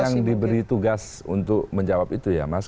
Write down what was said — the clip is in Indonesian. yang diberi tugas untuk menjawab itu ya mas